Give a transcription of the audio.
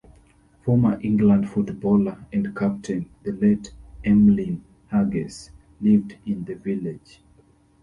Former England footballer and Captain, the late Emlyn Hughes, lived in the village.